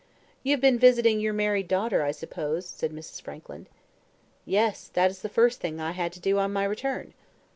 "You have been visiting your married daughter, I suppose," said Mrs. Frankland. "Yes, that is the first thing I had to do on my return."